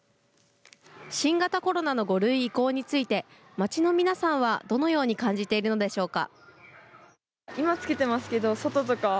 新型コロナの５類移行について街の皆さんはどのように感じているのでしょうか。